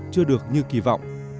chưa được như kỳ vọng